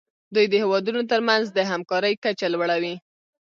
دوی د هیوادونو ترمنځ د همکارۍ کچه لوړوي